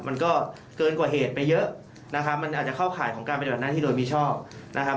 มันก็เกินกว่าเหตุไปเยอะนะครับมันอาจจะเข้าข่ายของการปฏิบัติหน้าที่โดยมิชอบนะครับ